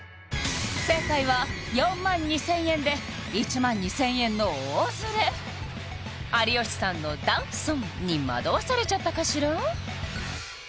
正解は４２０００円で１２０００円の大ズレ有吉さんのダンソンに惑わされちゃったかしら？